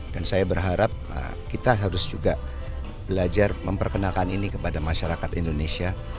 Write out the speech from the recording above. dan saya berharap kita harus juga belajar memperkenalkan ini kepada masyarakat indonesia